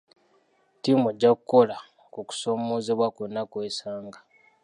Ttiimu ejja kukola ku kusoomoozebwa kwonna kw'esanga.